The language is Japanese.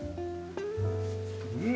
うん。